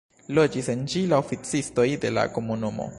Loĝis en ĝi la oficistoj de la komunumo.